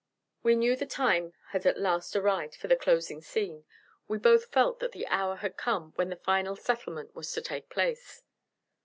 We knew the time had at last arrived for the closing scene; we both felt that the hour had come when the final settlement was to take place.